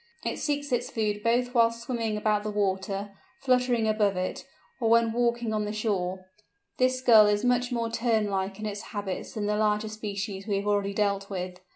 It seeks its food both whilst swimming about the water, fluttering above it, or when walking on the shore. This Gull is much more Tern like in its habits than the larger species we have already dealt with.